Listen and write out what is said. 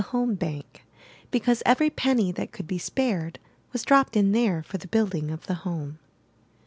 MY BOOK HOUSE Bank," because every penny that could be spared was dropped in there for the building of the home.